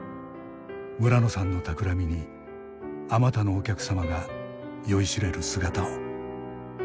村野さんのたくらみにあまたのお客様が酔いしれる姿を。